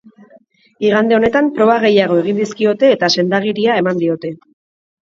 Igande honetan proba gehiago egin dizkiote eta sendagiria eman diote.